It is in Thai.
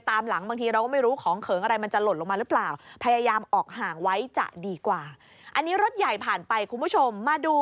ตามหลังบางทีเราก็ไม่รู้ของเขิงอะไรมันจะหล่นลงมาหรือเปล่า